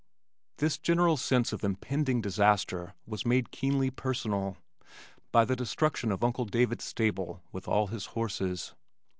This general sense of impending disaster was made keenly personal by the destruction of uncle David's stable with all his horses.